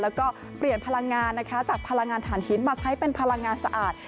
แล้วก็เปลี่ยนพลังงานนะคะจากพลังงานฐานหินมาใช้เป็นพลังงานสะอาด